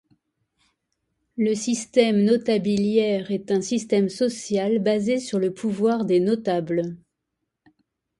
Le système notabiliaire est un système social basé sur le pouvoir des notables.